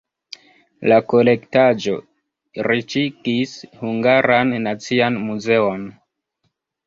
La kolektaĵo riĉigis Hungaran Nacian Muzeon.